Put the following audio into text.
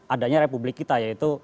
adanya republik kita yaitu